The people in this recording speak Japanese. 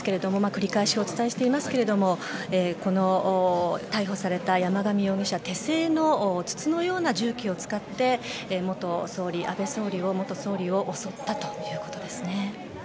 繰り返しお伝えしていますが逮捕された山上容疑者手製の筒のような銃器を使って安倍元総理を襲ったということです。